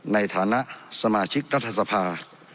ในฐานะสมาชิกรัฐสภา